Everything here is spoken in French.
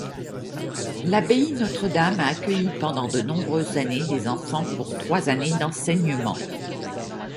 L'abbaye Notre-Dame a accueilli pendant de nombreuses années des enfants pour trois années d'enseignement.